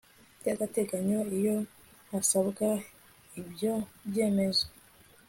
by agateganyo iyo hasabwa ibyo byemezo